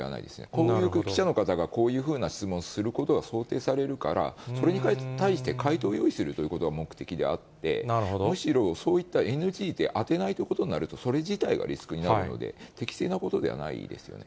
こういう記者の方が、こういう質問をすることが想定されるから、それに対して回答を用意するということが目的であって、むしろ、そういったＮＧで当てないということになると、それ自体がリスクになるので、適正なことではないですよね。